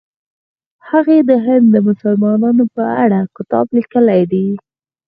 هغې د هند د مسلمانانو په اړه کتاب لیکلی دی.